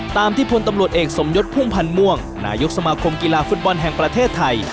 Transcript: ตามที่พลตำรวจเอกสมยศพุ่มพันธ์ม่วงนายกสมาคมกีฬาฟุตบอลแห่งประเทศไทย